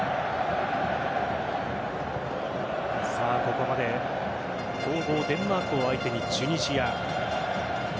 ここまで強豪・デンマークを相手にチュニジア。